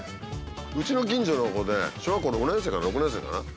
うちの近所の子で小学校５年生か６年生かな。